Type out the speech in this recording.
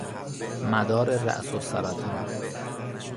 مدار رأس السرطان